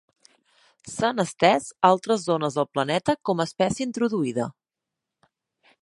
S'han estès a altres zones del planeta com a espècie introduïda.